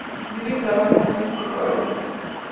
Vive y trabaja en Atlixco, Puebla.